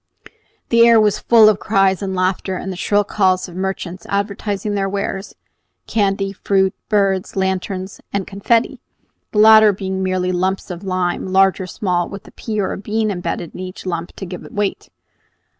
The air was full of cries and laughter, and the shrill calls of merchants advertising their wares, candy, fruit, birds, lanterns, and confetti, the latter being merely lumps of lime, large or small, with a pea or a bean embedded in each lump to give it weight.